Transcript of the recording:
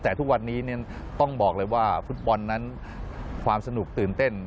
แต่ทุกวันนี้ต้องบอกเลยว่าฟุตบอลนั้นความสนุกตื่นเต้น